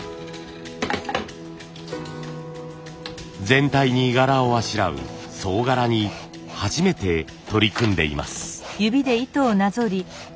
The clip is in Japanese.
全体に柄をあしらう総柄に初めて取り組んでいます。